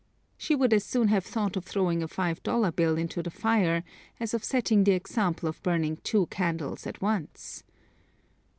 '" She would as soon have thought of throwing a five dollar bill into the fire as of setting the example of burning two candles at once.